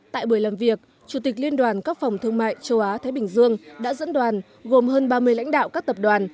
tại buổi làm việc chủ tịch liên đoàn các phòng thương mại châu á thái bình dương đã dẫn đoàn gồm hơn ba mươi lãnh đạo các tập đoàn